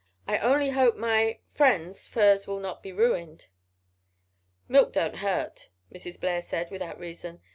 I only hope my—friend's furs will not be ruined." "Milk don't hurt," Mrs. Blair said, without reason.